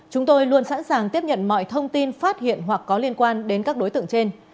chúng tôi luôn sẵn sàng tiếp nhận mọi thông tin phát hiện hoặc có liên quan đến các đối tượng trên